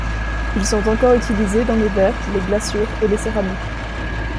Ils sont encore utilisés dans les verres, les glaçures et les céramiques.